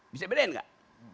bisa bedain gak